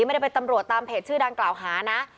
ไม่ได้เป็นตำรวจตามเพจชื่อดังกล่าวหานะ